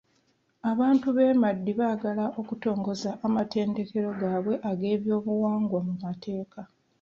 Abantu b'e Madi baagala okutongoza amatendekero gaabwe ag'ebyobuwangwa mu mateeka.